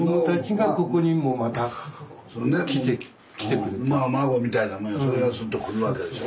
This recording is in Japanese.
それでまあ孫みたいなもんやそれがスッと来るわけでしょ。